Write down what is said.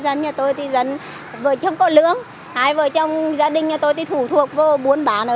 dân nhà tôi thì dân vợ chồng có lưỡng hai vợ chồng gia đình nhà tôi thì thủ thuộc vô buôn bán ở đây